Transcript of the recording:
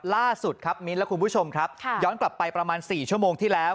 ล่าสุดครับมิ้นท์และคุณผู้ชมครับย้อนกลับไปประมาณ๔ชั่วโมงที่แล้ว